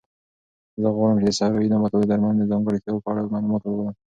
زه غواړم چې د صحرایي نباتاتو د درملنې د ځانګړتیاوو په اړه معلومات ولولم.